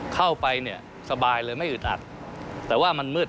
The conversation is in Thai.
เข้าไปเนี่ยสบายเลยไม่อึดอัดแต่ว่ามันมืด